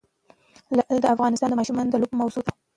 لعل د افغان ماشومانو د لوبو موضوع ده.